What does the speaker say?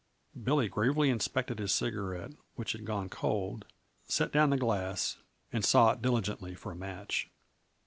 Billy gravely inspected his cigarette, which had gone cold, set down the glass and sought diligently for a match.